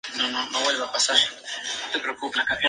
Magnífico artesonado en las tres naves y el ábside.